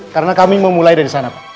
karena kami mau mulai dari sana pak